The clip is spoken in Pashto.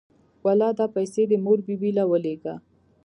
واله دا پيسې دې مور بي بي له ولېګه.